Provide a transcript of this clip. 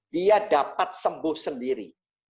dia dapat sembuh sendiri